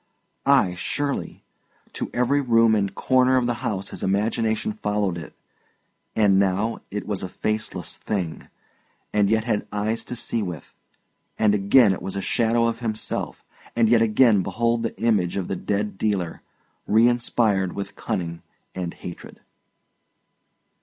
Ay, surely; to every room and corner of the house his imagination followed it; and now it was a faceless thing, and yet had eyes to see with; and again it was a shadow of himself; and yet again behold the image of the dead dealer, reinspired with cunning and hatred.